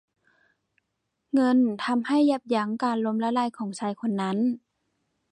เงินทำให้ยับยั้งการล้มละลายของชายคนนั้น